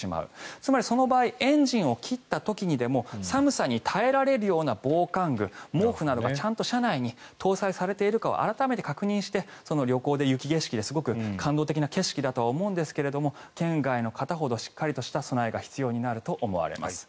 つまりその場合、エンジンを切った時にでも寒さに耐えられるような防寒具などが車内に搭載されているか改めて確認して、旅行で雪景色ですごく感動的な景色だとは思うんですが県外の方ほどしっかりとした備えが必要になると思われます。